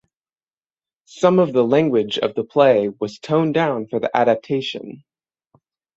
Some of the language of the play was toned down for the adaptation.